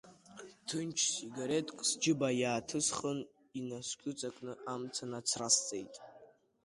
Ҭынч, сигаретк сџьыба иааҭысхын, инасҿыҵакны амца нацрасҵеит.